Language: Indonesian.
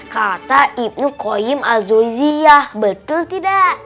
kata ibnu qoyim al zawziyah betul tidak